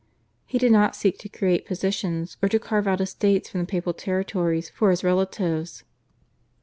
He did not seek to create positions, or to carve out estates from the papal territories for his relatives.